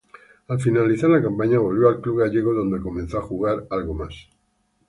Al finalizar la campaña volvió al club gallego donde comenzó a jugar algo más.